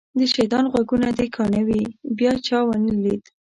د شیطان غوږونه دې کاڼه وي بیا چا ونه لید.